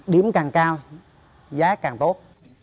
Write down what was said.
điểm càng cao giá càng tốt